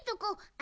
あ。